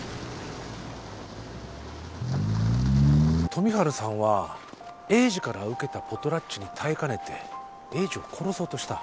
富治さんは栄治から受けたポトラッチに耐えかねて栄治を殺そうとした。